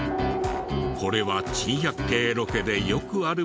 これは『珍百景』ロケでよくあるパターン。